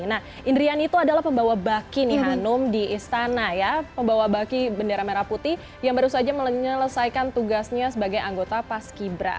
nah indrian itu adalah pembawa baki nih hanum di istana ya pembawa baki bendera merah putih yang baru saja menyelesaikan tugasnya sebagai anggota paski bra